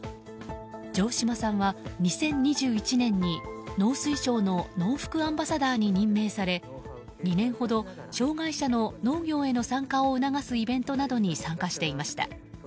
城島さんは２０２１年に農水省のノウフクアンバサダーに任命され２年ほど障害者の農業への参加を促すイベントなどに参加していました。